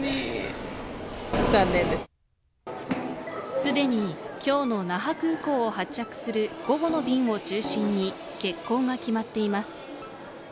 すでに、今日の那覇空港を発着する午後の便を中心に欠航が決まっています。